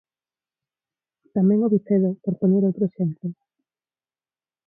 Tamén O Vicedo, por poñer outro exemplo.